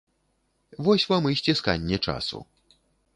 Вось вам і сцісканне часу.